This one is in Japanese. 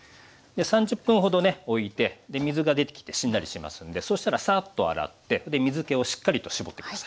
３０分ほどねおいて水が出てきてしんなりしますんでそしたらサッと洗って水けをしっかりと絞って下さい。